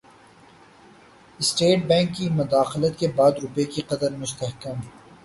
state Bank کی مداخلت کے بعد روپے کی قدر مستحکم